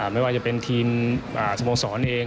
ไม่ว่าจะเป็นทีมสโมสรเอง